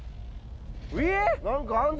えっ？